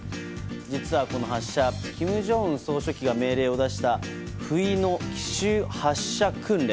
実はこの発射金正恩総書記が命令を出した不意の奇襲発射訓練。